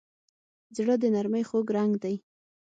زړه د نرمۍ خوږ رنګ دی.